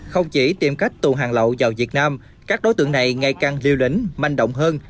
không chỉ tìm cách tù hàng lậu vào việt nam các đối tượng này ngày càng liều lĩnh manh động hơn